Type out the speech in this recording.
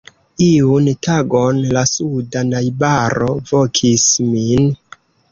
Iun tagon la suda najbaro vokis min.